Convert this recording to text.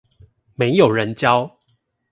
沒有人教